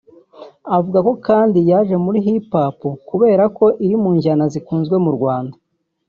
Avuga kandi ko yaje muri Hip-Hop kubera ko iri u njyana zikunzwe mu Rwanda